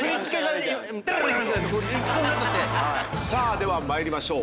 では参りましょう。